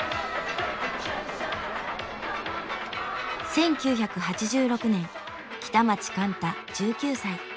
１９８６年北町貫多１９歳。